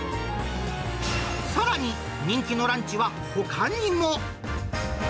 さらに、人気のランチはほかにも。